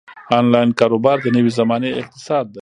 انلاین کاروبار د نوې زمانې اقتصاد دی.